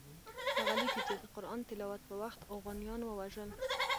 هغه لیکي چې د قرآن تلاوت په وخت اوغانیان ووژل.